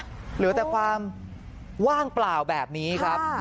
เดี๋ยวแล่วแต่ความว่างเปล่าแบบนี้ครับ